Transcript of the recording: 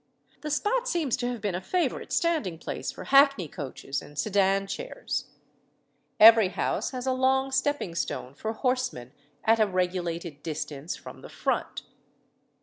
The spot seems to have been a favourite standing place for hackney coaches and sedan chairs. Every house has a long stepping stone for horsemen at a regulated distance from the front.